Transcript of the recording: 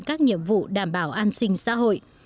các nhiệm vụ đảm bảo an sinh xã hội